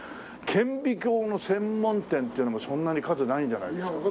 顕微鏡の専門店っていうのもそんなに数ないんじゃないですか？